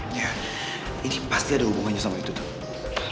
nah ini pasti ada hubungannya sama itu tuh